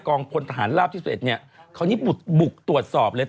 พลทหารราบที่๑๑เนี่ยคราวนี้บุกตรวจสอบเลย